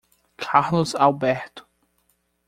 Carlos Alberto.